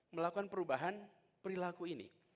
melakukan perubahan berlaku ini